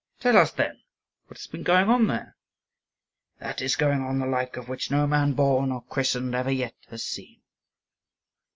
"Tell us then; what has been going on there?" "That is going on the like of which no man born or christened ever yet has seen."